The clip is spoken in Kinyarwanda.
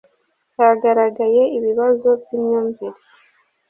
Hagaragaye ibibazo by’imyumvire